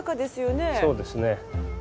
そうですね。